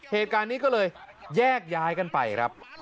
เหตุการณ์นี้ก็เลยแยกย้ายกันไปครับ